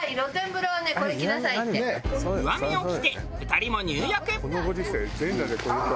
湯あみを着て２人も入浴。